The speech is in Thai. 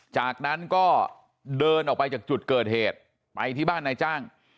จากนั้นก็เดินออกไปจากจุดเกิดเหตุไปที่บ้านนายจ้าง